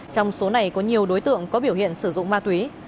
trong số này có nhiều đối tượng có biểu hiện sử dụng ma túy